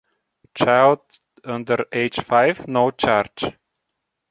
Child under age five: no charge.